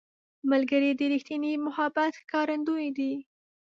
ملګری د ریښتیني محبت ښکارندوی دی